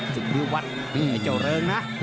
ซึ่งด้วยวัดเจ้าเริงนะ